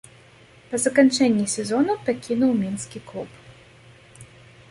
Па заканчэнні сезона пакінуў мінскі клуб.